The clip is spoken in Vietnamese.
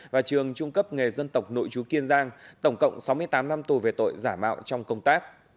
và trường trung cấp nghề dân tộc nội chú kiên giang tổng cộng sáu mươi tám năm tù về tội giả mạo trong công tác